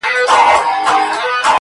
• حروف د ساز له سوره ووتل سرکښه سوله،